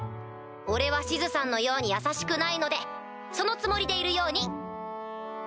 俺はシズさんのように優しくないのでそのつもりでいるように！